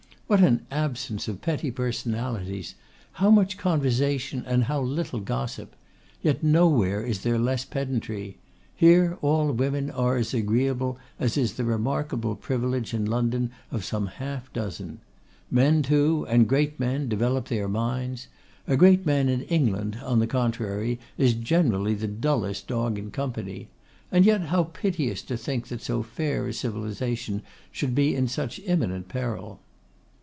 What an absence of petty personalities! How much conversation, and how little gossip! Yet nowhere is there less pedantry. Here all women are as agreeable as is the remarkable privilege in London of some half dozen. Men too, and great men, develop their minds. A great man in England, on the contrary, is generally the dullest dog in company. And yet, how piteous to think that so fair a civilisation should be in such imminent peril!